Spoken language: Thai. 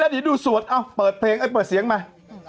แล้วดิดูสวดเปิดเสียงมา